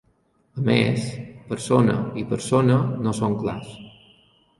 A més, Persona i Persona no són clars.